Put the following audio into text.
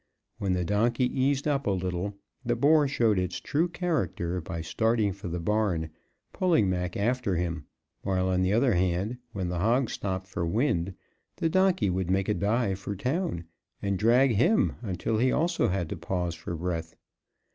When the donkey eased up a little, the boar showed its true character by starting for the barn, pulling Mac after him; while, on the other hand, when the hog stopped for wind, the donkey would make a dive for town and drag him until he also had to pause for breath.